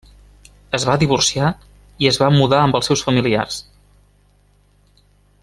Es va divorciar i es va mudar amb els seus familiars.